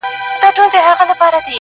خو له سپي سره خاوند لوبي کولې-